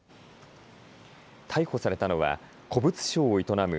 逮捕されたのは古物商を営む